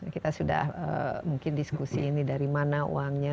kita sudah mungkin diskusi ini dari mana uangnya